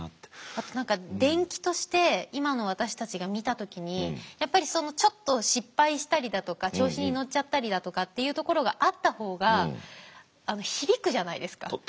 あと何か伝記として今の私たちが見た時にやっぱりちょっと失敗したりだとか調子に乗っちゃったりだとかっていうところがあった方が響くじゃないですか。